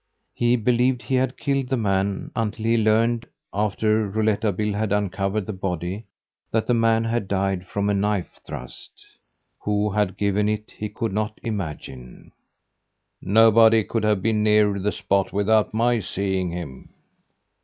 He believed he had killed the man until he learned, after Rouletabille had uncovered the body, that the man had died from a knife thrust. Who had given it he could not imagine. "Nobody could have been near the spot without my seeing him."